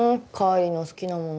浬の好きなもの？